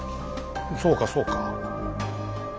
そうかそうか。